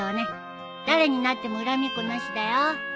誰になっても恨みっこなしだよ。